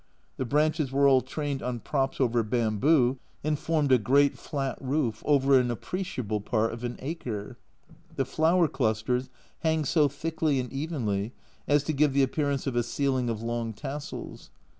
The branches were all trained on props over bamboo, and formed a great flat roof, over an appreciable part of an acre ! The flower clusters hang so thickly and evenly as to give the appearance of a ceiling of long tassels.